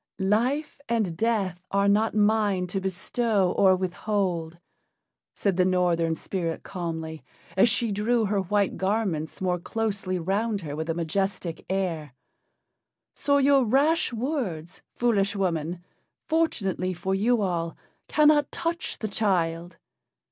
"Life and death are not mine to bestow or to withhold," said the Northern spirit calmly, as she drew her white garments more closely round her with a majestic air. "So your rash words, foolish woman, fortunately for you all, cannot touch the child.